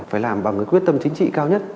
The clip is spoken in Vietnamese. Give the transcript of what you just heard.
phải làm bằng quyết tâm chính trị cao nhất